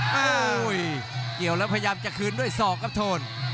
โอ้โหเกี่ยวแล้วพยายามจะคืนด้วยศอกครับโทน